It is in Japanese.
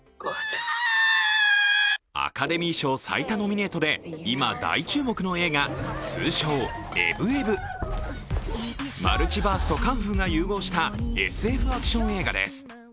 アカデミー賞最多ノミネートで今、大注目の映画、通称「エブエブ」。マルチバースとカンフーが融合したＳＦアクション映画です。